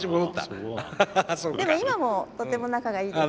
でも今もとても仲がいいです。